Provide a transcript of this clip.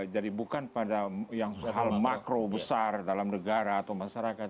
jadi bukan pada hal makro besar dalam negara atau masyarakat